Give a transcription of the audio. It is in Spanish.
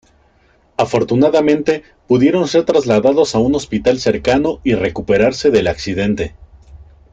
Afortunadamente, pudieron ser trasladados a un hospital cercanos y recuperarse del accidente.